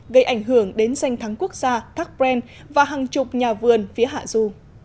gây ảnh hưởng đến danh thắng quốc gia thác pren và hàng chục nhà vườn phía hạ du